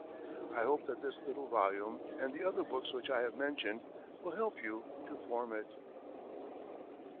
I hope that this little volume, and the other books which I have mentioned, will help you to form it.